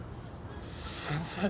先生？